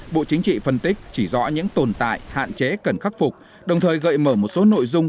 bộ chính trị phân tích chỉ rõ những tồn tại hạn chế cần khắc phục đồng thời gợi mở một số nội dung